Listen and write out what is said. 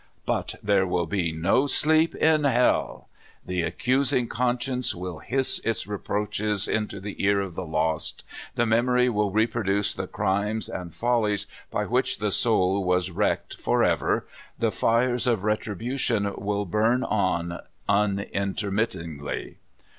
But there zvill he no sleep in hell! The accusing conscience will hiss its re proaches into the ear of the lost, the memory will reproduce the crimes and follies by which the soul was wrecked forever, the fires of retribution will LOCK LEY. 49 burn on unintermittingly.